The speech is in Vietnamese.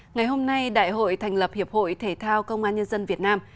ngày hôm nay đại hội thành lập hiệp hội thể thao công an nhân dân việt nam